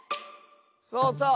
そうそう。